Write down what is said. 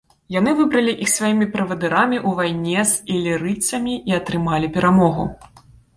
Яны выбралі іх сваімі правадырамі ў вайне з ілірыйцамі і атрымалі перамогу.